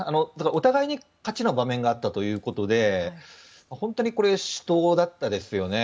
お互いに勝ちの場面があったということで本当に死闘でしたよね。